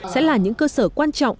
sẽ là những cơ sở quan trọng